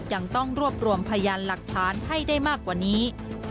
ยังต้องรวบรวมพยานหลักฐานให้ได้มากกว่านี้